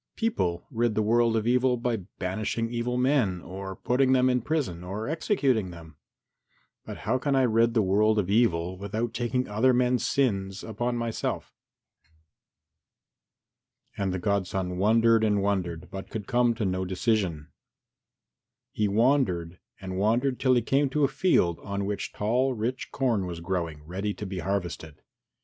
People rid the world of evil by banishing evil men or putting them in prison or executing them. But how can I rid the world of evil without taking other men's sins upon myself?" And the godson wondered and wondered, but could come to no decision. He wandered and wandered till he came to a field on which tall rich corn was growing, ready to be harvested.